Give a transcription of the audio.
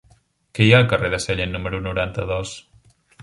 Què hi ha al carrer de Sallent número noranta-dos?